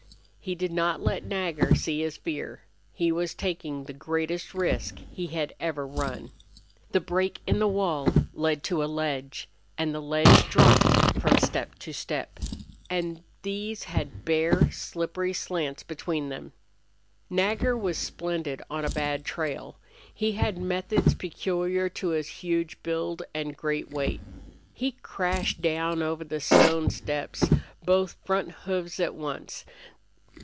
He did not let Nagger see his fear. He was taking the greatest risk he had ever run. The break in the wall led to a ledge, and the ledge dropped from step to step, and these had bare, slippery slants between. Nagger was splendid on a bad trail. He had methods peculiar to his huge build and great weight. He crashed down over the stone steps, both front hoofs at once.